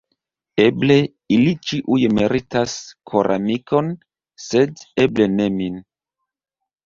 Eble ili ĉiuj meritas koramikon, sed eble ne min.